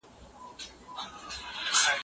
خوشحال ساتل د ماشومانو د پلار لومړنۍ هڅه ده.